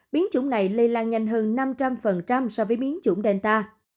biến chủng này lây lan nhanh hơn năm trăm linh so với biến chủng delta